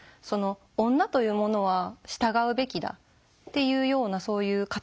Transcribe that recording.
女というものは従うべきだっていうようなそういう価値観ですよね。